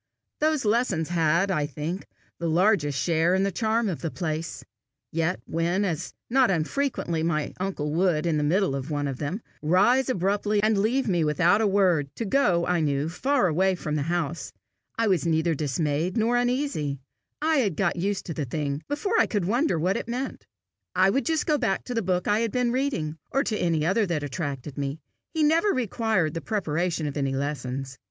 Those lessons had, I think, the largest share in the charm of the place; yet when, as not unfrequently, my uncle would, in the middle of one of them, rise abruptly and leave me without a word, to go, I knew, far away from the house, I was neither dismayed nor uneasy: I had got used to the thing before I could wonder what it meant. I would just go back to the book I had been reading, or to any other that attracted me: he never required the preparation of any lessons.